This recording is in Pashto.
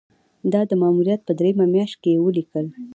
دا د ماموریت په دریمه میاشت کې یې ولیکل.